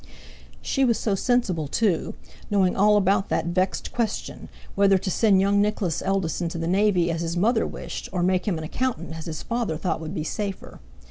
She was so sensible, too, knowing all about that vexed question, whether to send young Nicholas' eldest into the navy as his mother wished, or make him an accountant as his father thought would be safer.